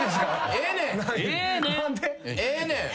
ええねん。